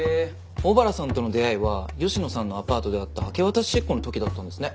小原さんとの出会いは吉野さんのアパートであった明け渡し執行の時だったんですね。